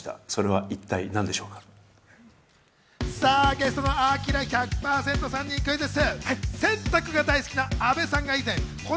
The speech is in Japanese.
ゲストのアキラ１００％さんにクイズッス！